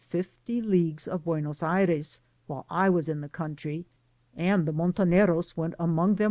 fifty leagues of Buenos Aires while I was in the country, and the Montoneros went among them